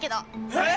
えっ？